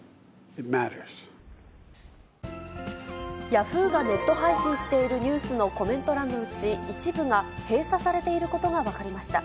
ヤフーがネット配信しているニュースのコメント欄のうち、一部が、閉鎖されていることが分かりました。